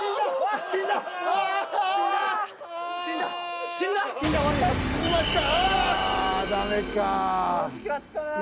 惜しかったなぁ。